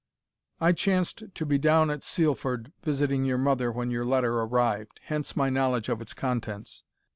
"I chanced to be down at Sealford visiting your mother when your letter arrived; hence my knowledge of its contents.